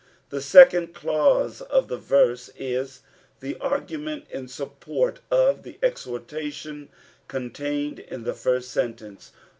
The second clause of the verse, is ue argument in support of the exhortation contained in the first sentence, 9.